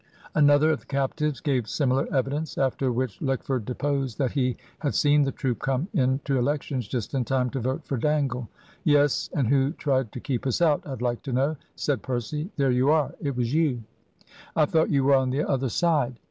Another of the captives gave similar evidence. After which, Lickford deposed that he had seen the troop come in to Elections just in time to vote for Dangle. "Yes; and who tried to keep us out, I'd like to know?" said Percy. "There you are, it was you!" "I thought you were on the other side."